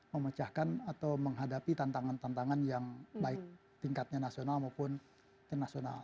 memecahkan atau menghadapi tantangan tantangan yang baik tingkatnya nasional maupun internasional